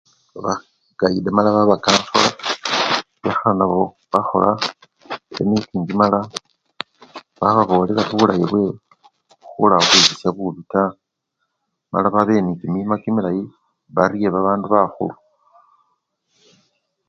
Ubagayida mala wabakambila wekhala nabo wakhola chimiting mala wababolela bulayi bwe khula khwibirisya bubi taa mala babe nekimima kimilayi barye bandu bakhulu.